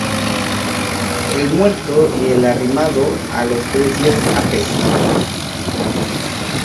El muerto y el arrimado a los tres días apestan